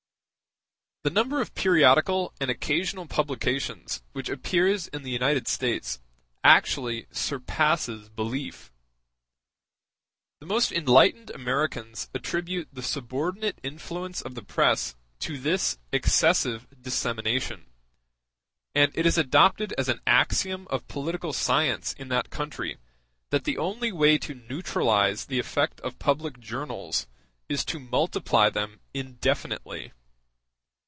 The number of periodical and occasional publications which appears in the United States actually surpasses belief. The most enlightened Americans attribute the subordinate influence of the press to this excessive dissemination; and it is adopted as an axiom of political science in that country that the only way to neutralize the effect of public journals is to multiply them indefinitely.